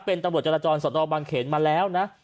เป็นตำรวจจราจรสนบางเขนมาแล้วนะ